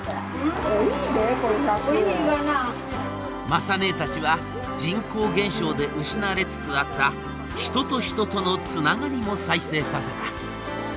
雅ねえたちは人口減少で失われつつあった人と人とのつながりも再生させた。